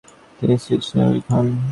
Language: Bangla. তিনি সুইস নাগরিক হন।